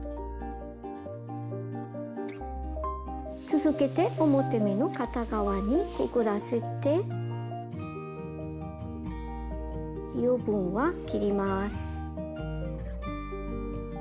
続けて表目の片側にくぐらせて余分は切ります。